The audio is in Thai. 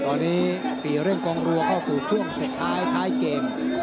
ตอนนี้ปีเร่งกองรัวเข้าสู่ช่วงสุดท้ายท้ายเกม